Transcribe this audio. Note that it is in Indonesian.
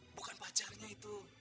bukan pacarnya itu